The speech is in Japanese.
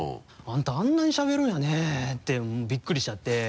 「あんたあんなにしゃべるんやね」てびっくりしちゃって。